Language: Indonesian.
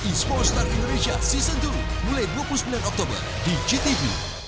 esports star indonesia season dua mulai dua puluh sembilan oktober di gtv